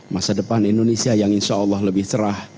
masa depan indonesia yang insyaallah lebih cerah